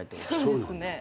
そうですね。